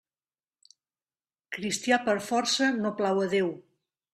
Cristià per força no plau a Déu.